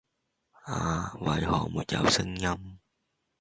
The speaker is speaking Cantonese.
啊！為何沒有聲音？